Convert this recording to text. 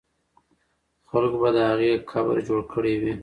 خلکو به د هغې قبر جوړ کړی وي.